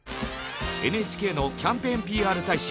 ＮＨＫのキャンペーンＰＲ大使